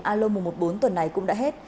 alo mùa một bốn tuần này cũng đã hết